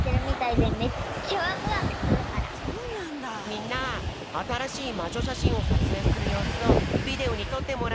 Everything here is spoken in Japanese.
みんなあたらしいまじょしゃしんをさつえいするようすをビデオにとってもらったからみてみよう！